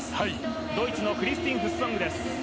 ドイツのクリスティン・フッソング。